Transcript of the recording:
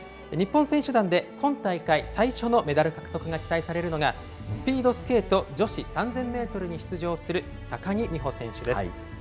日本選手団で今大会最初のメダル獲得が期待されるのが、スピードスケート女子３０００メートルに出場する高木美帆選手です。